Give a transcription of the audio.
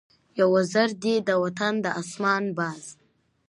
یو وزر دی د وطن د آسمان ، باز